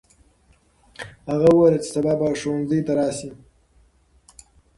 هغه وویل چې سبا به ښوونځي ته راسي.